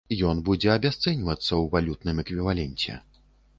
Ён будзе абясцэньвацца ў валютным эквіваленце.